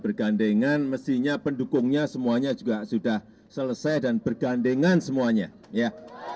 bergandengan mestinya pendukungnya semuanya juga sudah selesai dan bergandengan semuanya ya